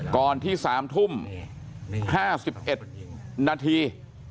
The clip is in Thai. ก่อนที่๓ทุ่ม๕๑นาที